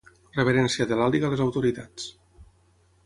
Reverència de l'Àliga a les autoritats.